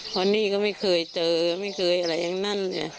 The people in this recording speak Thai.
ตอนนี้ก็ไม่เคยเจอไม่เคยอะไรอย่างนั้น